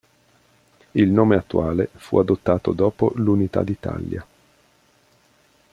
Il nome attuale fu adottato dopo l'Unità d'Italia.